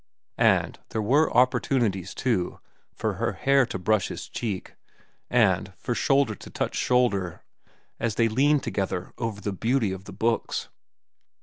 And there were opportunities, too, for her hair to brush his cheek, and for shoulder to touch shoulder, as they leaned together over the beauty of the books.